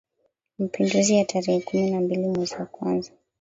Mapinduzi ya tarehe kumi na mbili mwezi wa kwanza